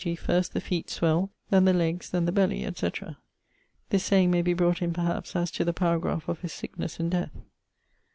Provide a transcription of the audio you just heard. g. first, the feet swell; then, the legges; then, the belly; etc.' This saying may be brought in, perhaps, as to the paragraph of his sicknesse and death.